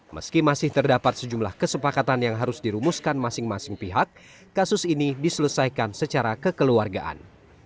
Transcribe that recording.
meski masih terdapat sejumlah kesepakatan yang harus dirumuskan masing masing pihak kasus ini diselesaikan secara kekeluargaan